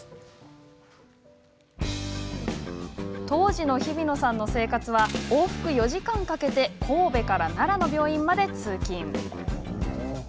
当時の日比野さんの生活は往復４時間かけて神戸から奈良の病院まで通勤。